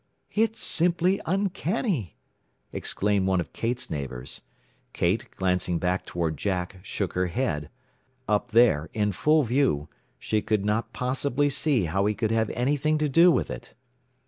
"It's simply uncanny," exclaimed one of Kate's neighbors. Kate, glancing back toward Jack, shook her head. Up there, in full view, she could not possibly see how he could have anything to do with it.